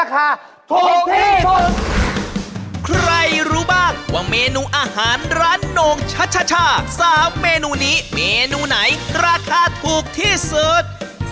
ใครรู้บ้างว่าเมนูอาหารร้านโหน่งชัชชา๓เมนูนี้เมนูไหนราคาถูกที่สุด